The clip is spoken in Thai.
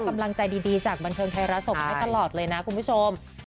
กำลังใจดีจากบันเทิงไทยรัฐส่งให้ตลอดเลยนะคุณผู้ชม